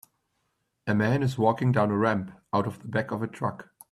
A man is walking down a ramp out of the back of a truck.